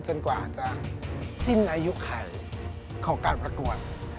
จนกว่าจะสิ้นอายุไข่ของการประกวด